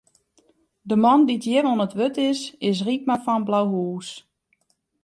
De man dy't hjir oan it wurd is, is Rypma fan Blauhûs.